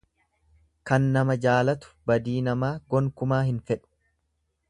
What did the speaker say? Kan nama jaalatu badii namaa gonkuma hin fedhu.